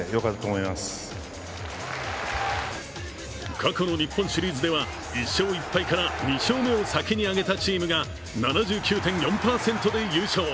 過去の日本シリーズでは、１勝１敗から２勝目を先に挙げたチームが７９．４％で優勝。